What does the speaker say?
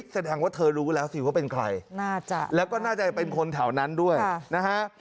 แสดงว่าเธอรู้แล้วสิว่าเป็นใครน่าจะแล้วก็น่าจะเป็นคนแถวนั้นด้วยนะฮะ